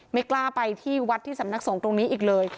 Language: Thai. ไม่กล้าไปที่วัดที่สำนักสงฆ์ตรงนี้อีกเลย